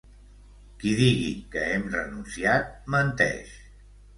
Qui digui que hem renunciat, menteix.